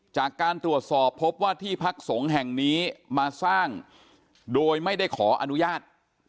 จากการตรวจสอบพบว่าที่พักสงฆ์แห่งนี้มาสร้างโดยไม่ได้ขออนุญาต